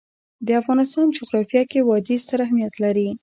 د افغانستان جغرافیه کې وادي ستر اهمیت لري.